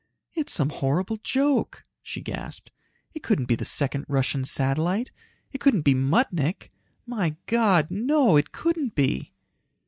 "It's some horrible joke!" she gasped. "It couldn't be the second Russian satellite, it couldn't be Muttnik! My God, no, it couldn't be!"